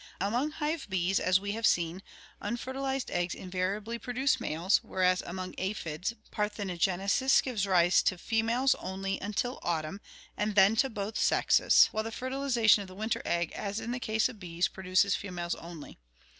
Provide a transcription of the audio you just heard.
Among hive bees, as we have seen, unfertilized eggs invariably produce males, whereas among aphids parthenogenesis gives rise to females only until autumn, and then to both sexes, while the fertilization of the winter egg, as in the case of the bees, produces females only.